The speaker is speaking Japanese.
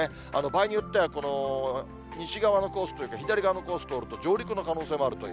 場合によっては、この西側のコースというか、左側のコースを通ると、上陸の可能性もあると。